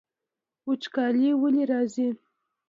وچکالي ولې راځي؟